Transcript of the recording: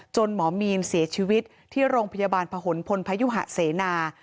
หมอมีนเสียชีวิตที่โรงพยาบาลผนพลพยุหะเสนา